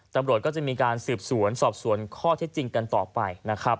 ตำรวจก็จะมีการสืบสวนสอบสวนข้อเท็จจริงกันต่อไปนะครับ